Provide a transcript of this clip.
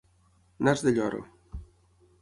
Nas de lloro.